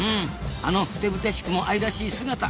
あのふてぶてしくも愛らしい姿。